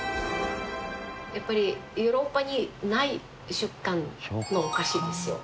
やっぱりヨーロッパにない食感のお菓子ですよ。